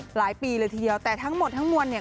หลายปีเลยทีเดียวแต่ทั้งหมดทั้งมวลเนี่ย